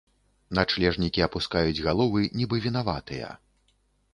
Начлежнікі апускаюць галовы, нібы вінаватыя.